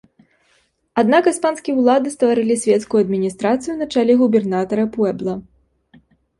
Аднак іспанскія ўлады стварылі свецкую адміністрацыю на чале губернатара пуэбла.